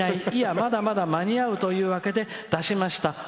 いや、まだまだ間に合うというわけで出しました。